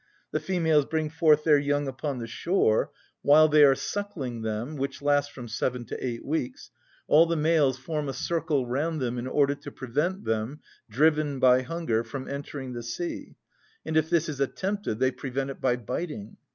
The females bring forth their young upon the shore; while they are suckling them, which lasts from seven to eight weeks, all the males form a circle round them in order to prevent them, driven by hunger, from entering the sea, and if this is attempted they prevent it by biting.